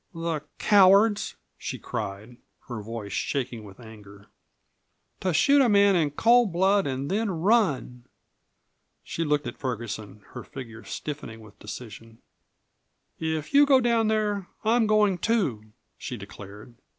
"The cowards!" she cried, her voice shaking with anger. "To shoot a man in cold blood and then run!" She looked at Ferguson, her figure stiffening with decision. "If you go down there I am going, too!" she declared.